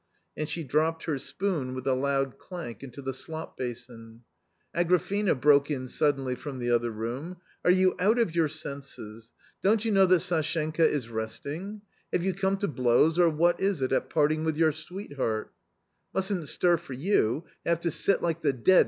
A nd she drop ped her spoon with a loud clank into the slop 5asin. "" Agrafena !" broke in suddenly from the other room, S sk " are ^° u °^°^ Y9 u L se J??£s_? Q on>t y ou H? ow l ^ at Sashenka " i s resfingj^ TTave you come to blows, or what is it, at part ing with your sweetheart ?" "Mustn't stir for you — have to sit like the dead!"